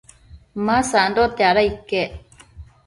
ma sandote, ada iquec